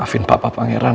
maafin papak pangeran